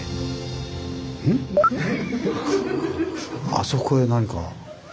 あそこで何か。